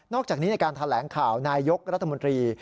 อกจากนี้ในการแถลงข่าวนายกรัฐมนตรี